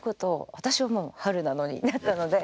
私はもう「春なのに」だったので。